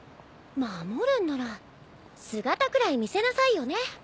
守るんなら姿くらい見せなさいよね。